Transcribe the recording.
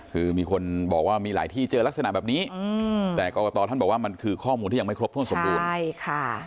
คือมีคนบอกว่ามีหลายที่เจอลักษณะแบบนี้แต่กรกตท่านบอกว่ามันคือข้อมูลที่ยังไม่ครบถ้วนสมบูรณ์ใช่ค่ะ